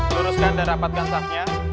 luruskan dan rapatkan sahabnya